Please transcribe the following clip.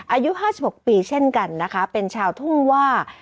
อายุ๕๖ปีเช่นกันนะคะเป็นชาวทุ่งว่า